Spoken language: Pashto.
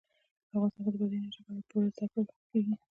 افغانستان کې د بادي انرژي په اړه پوره زده کړه کېږي.